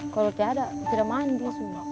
kalau tidak ada tidak mandi semua